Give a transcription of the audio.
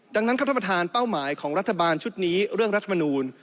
ดังนั้นครับท่านประธานเป้าหมายของรัฐบาลชุดนี้เรื่องรัฐมนูล